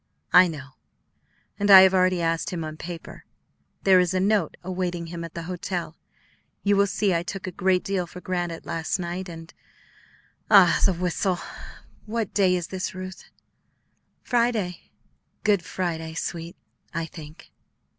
"I know; and I have already asked him on paper. There is a note awaiting him at the hotel; you will see I took a great deal for granted last night, and Ah, the whistle! What day is this, Ruth?" "Friday." "Good Friday, sweet, I think."